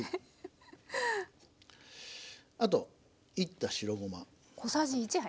あと煎った白ごま。